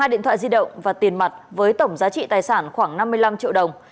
hai điện thoại di động và tiền mặt với tổng giá trị tài sản khoảng năm mươi năm triệu đồng